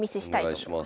お願いします。